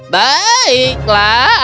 baiklah aku beri kau pengetahuan